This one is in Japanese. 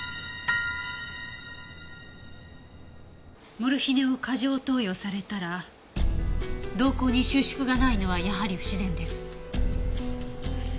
モルヒネを過剰投与されたら瞳孔に収縮がないのはやはり不自然です。